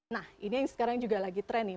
nah ini yang sekarang juga lagi trend nih